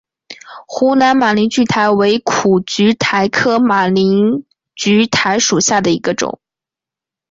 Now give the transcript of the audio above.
湖南马铃苣苔为苦苣苔科马铃苣苔属下的一个种。